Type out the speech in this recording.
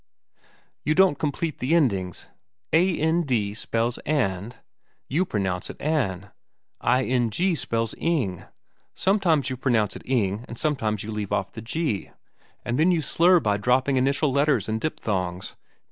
"You don't complete the endings. 'A n d' spells 'and.' You pronounce it 'an'.' 'I n g' spells 'ing.' Sometimes you pronounce it 'ing' and sometimes you leave off the 'g.' And then you slur by dropping initial letters and diphthongs.